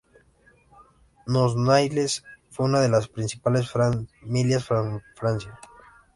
Los Noailles fue una de las principales familias de Francia.